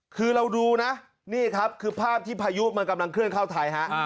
คือเราดูนะนี่ครับคือภาพที่พายุมันกำลังเคลื่อนเข้าไทยฮะ